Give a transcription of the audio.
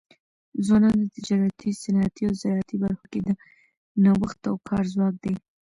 ځوانان د تجارتي، صنعتي او زراعتي برخو کي د نوښت او کار ځواک دی.